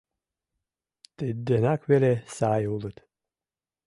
Тидденак веле сай улыт.